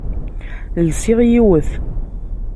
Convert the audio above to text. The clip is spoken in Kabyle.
Lsiɣ yiwet.